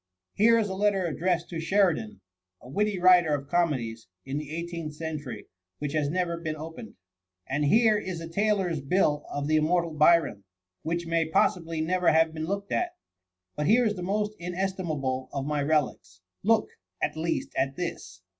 Here is a letter addressed to Sheridan, a witty writer of comedies, in the eighteenth century, which has never been opened, — ^and here. is a tailor's bill of the immortal Byron, which may possi bly never have been looked at. But here is the most inestimable of my relics. Look, at least, at this.